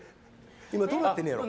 今どうなってんねやろ？